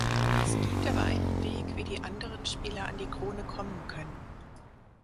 Es gibt aber einen Weg, wie die anderen Spieler an die Krone kommen können.